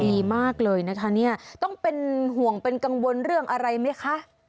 ดีมากเลยนะคะเนี่ยต้องเป็นห่วงเป็นกังวลเรื่องอะไรไหมคะ